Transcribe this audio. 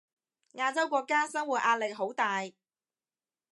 亞洲國家生活壓力好大